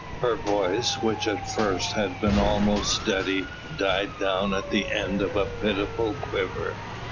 Her voice, which at first had been almost steady, died down at the end in a pitiful quiver.